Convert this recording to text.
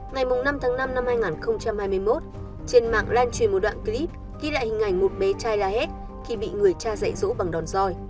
ngày năm tháng năm năm hai nghìn hai mươi một trên mạng lan truyền một đoạn clip ghi lại hình ảnh một bé trai lah khi bị người cha dạy dỗ bằng đòn roi